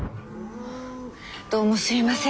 どうもすいません。